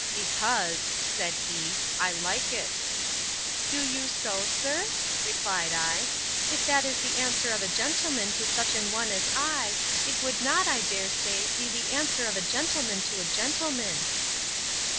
Because, said he—I like it.—Do you so, sir? replied I: if that is the answer of a gentleman to such an one as I, it would not, I dare say, be the answer of a gentleman to a gentleman.